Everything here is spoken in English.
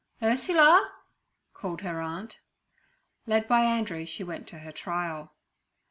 'Ursula!' called her aunt. Led by Andrew, she went to her trial.